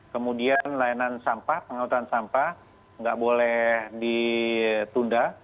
kemudian layanan sampah pengawatan sampah tidak boleh ditunda